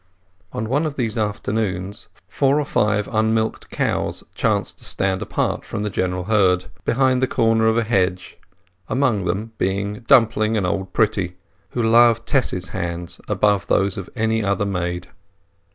On one of these afternoons four or five unmilked cows chanced to stand apart from the general herd, behind the corner of a hedge, among them being Dumpling and Old Pretty, who loved Tess's hands above those of any other maid.